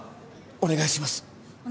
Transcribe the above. お願いします。